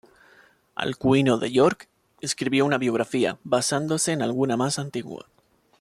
Alcuino de York escribió una biografía, basándose en alguna más antigua.